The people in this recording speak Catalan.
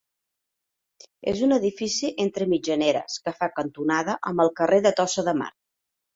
És un edifici entre mitgeres que fa cantonada amb el carrer de Tossa de Mar.